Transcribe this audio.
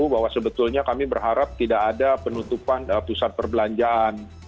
bahwa sebetulnya kami berharap tidak ada penutupan pusat perbelanjaan